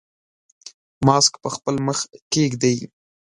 ماسک په خپل مخ کېږدئ.